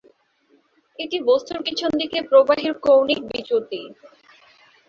এটি বস্তুর পিছন দিকে প্রবাহীর কৌণিক বিচ্যুতি।